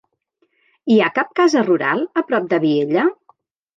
Hi ha cap casa rural a prop de Viella?